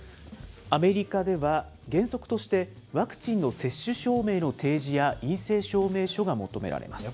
アメリカでは、原則としてワクチンの接種証明の提示や陰性証明書が求められます。